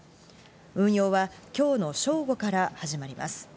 運用は今日の正午から始まります。